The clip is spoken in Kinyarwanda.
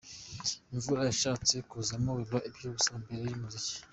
Imvura yashatse kuzamo biba iby'ubusa imbere y'umuziki.